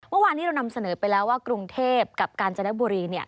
เมื่อวานนี้เรานำเสนอไปแล้วว่ากรุงเทพกับกาญจนบุรี